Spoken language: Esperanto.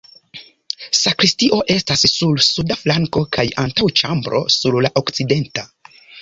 Sakristio estas sur suda flanko kaj antaŭĉambro sur la okcidenta.